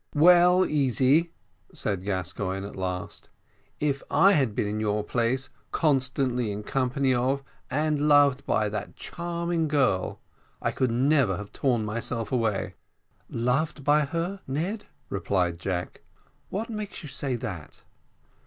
"Well, Easy," said Gascoigne, at last, "if I had been in your place, constantly in company of, and loved by, that charming girl, I could never have torn myself away." "Loved by her, Ned!" replied Jack; "what makes you say that?"